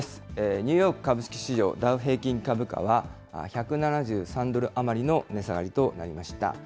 ニューヨーク株式市場ダウ平均株価は、１７３ドル余りの値下がりとなりました。